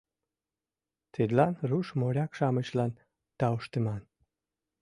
Тидлан руш моряк-шамычлан тауштыман.